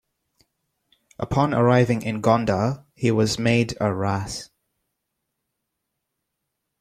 Upon arriving in Gondar, he was made "Ras".